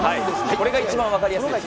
それが一番分かりやすい。